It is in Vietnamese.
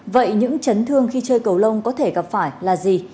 vậy những chấn thương khi chơi cầu lông có thể gặp phải là gì